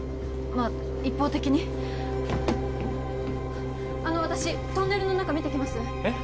まあ一方的にあの私トンネルの中見てきますえっ？